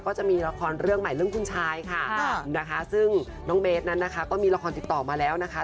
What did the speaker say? ก็จะมีละครเรื่องใหม่เรื่องคุณชายค่ะนะคะซึ่งน้องเบสนั้นนะคะก็มีละครติดต่อมาแล้วนะคะ